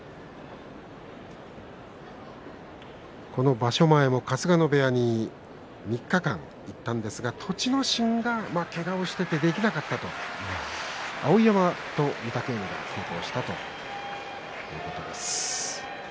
場所前も春日野部屋に３日間、行ったんですが栃ノ心がけがをしていてできなかったと碧山と御嶽海は稽古をしたということです。